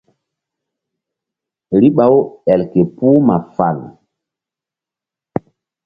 Riɓa-u el ke puh ma fal.